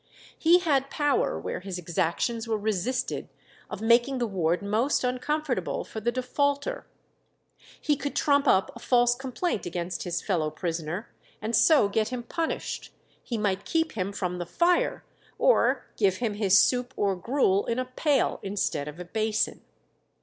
He had power where his exactions were resisted of making the ward most uncomfortable for the defaulter. He could trump up a false complaint against his fellow prisoner, and so get him punished; he might keep him from the fire, or give him his soup or gruel in a pail instead of a basin.